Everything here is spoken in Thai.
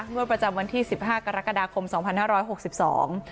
งวดประจำวันที่สิบห้ากรกฎาคมสองพันห้าร้อยหกสิบสอง